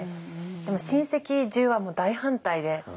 でも親戚中は大反対で。